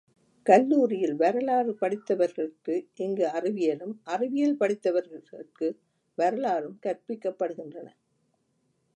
கல்லூரியில் வரலாறு படித்தவர்கட்கு இங்கு அறிவியலும், அறிவியல் படித்தவர்கட்கு வரலாறும் கற்பிக்கப் படுகின்றன.